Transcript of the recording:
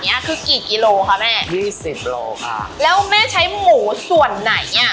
คือกี่กิโลค่ะแม่ยี่สิบโลค่ะแล้วแม่ใช้หมูส่วนไหนอ่ะ